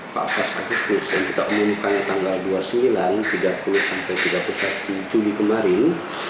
empat belas agustus yang kita umumkan tanggal dua puluh sembilan tiga puluh sampai tiga puluh satu juli kemarin